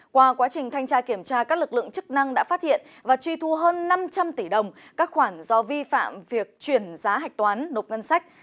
qua quá trình thanh tra kiểm tra các lực lượng chức năng đã phát hiện và truy thu hơn năm trăm linh tỷ đồng các khoản do vi phạm việc chuyển giá hạch toán nộp ngân sách